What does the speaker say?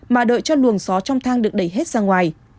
mà đợi cho luồng xó trong thang được đẩy hết sang ngoài